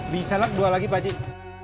bisa lah dua lagi pak cik